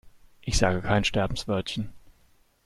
Ich sage kein Sterbenswörtchen.